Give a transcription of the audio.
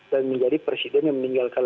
dan menjadi presiden yang meninggalkan